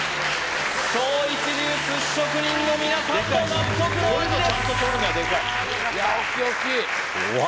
超一流寿司職人の皆さんも納得の味です